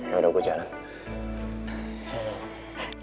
yaudah gua jalan